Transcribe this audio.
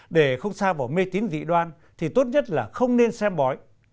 để không xa vào mê tín dị đoan thì tốt nhất là không nên xem bói